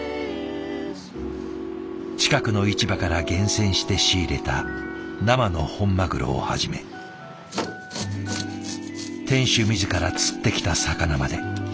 近くの市場から厳選して仕入れた生の本マグロをはじめ店主自ら釣ってきた魚まで。